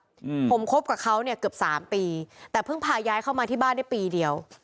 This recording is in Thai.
อืมผมคบกับเขาเนี้ยเกือบสามปีแต่เพิ่งพาย้ายเข้ามาที่บ้านได้ปีเดียว